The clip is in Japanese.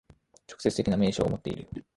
直接的な明証をもっている。